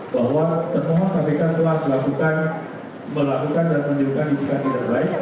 bahwa permohon kpk telah melakukan dan menjuruhkan istrikan tidak baik